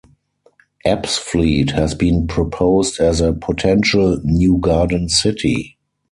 Ebbsfleet has been proposed as a potential new garden city.